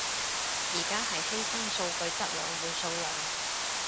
而家係犧牲數據質量換數量